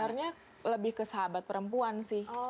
sebenarnya lebih ke sahabat perempuan sih